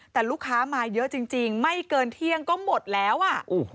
แต่ลูกค้ามาเยอะจริงไม่เกินเที่ยงก็หมดแล้วอ่ะ